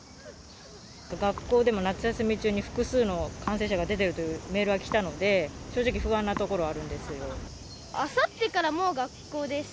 学校でも夏休み中に、複数の感染者が出てるというメールが来たので、正直、不安なところはああさってから、もう学校です。